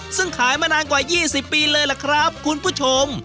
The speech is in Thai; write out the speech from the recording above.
ซึ่งขายมานานกว่า๒๐ปีเลยล่ะครับคุณผู้ชม